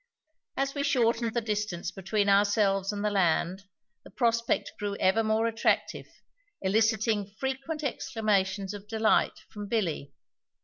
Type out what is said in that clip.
As we shortened the distance between ourselves and the land the prospect grew ever more attractive, eliciting frequent exclamations of delight from Billy.